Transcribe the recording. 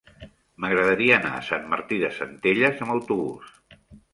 M'agradaria anar a Sant Martí de Centelles amb autobús.